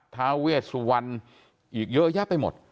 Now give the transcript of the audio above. ท้าเวชสุวรรณอีกเยอะแยะไปหมด